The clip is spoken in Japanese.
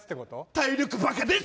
体力バカです！